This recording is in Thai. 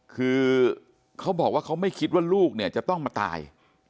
คือเขาบอกว่าเขาไม่คิดว่าลูกเนี่ยจะต้องมาตาย